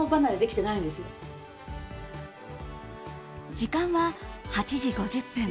時間は８時５０分。